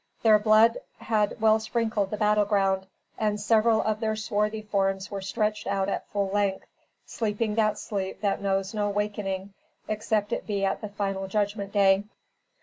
Their blood had well sprinkled the battle ground, and several of their swarthy forms were stretched out at full length, sleeping that sleep that knows no wakening, except it be at the final judgment day.